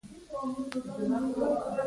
بدرنګه نیت له عقل سره جنګ کوي